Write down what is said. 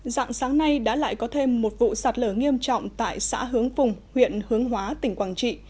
dạng sáng nay đã lại có thêm một vụ sạt lở nghiêm trọng tại xã hướng phùng huyện hướng hóa tỉnh quảng trị